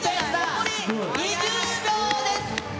残り２０秒です。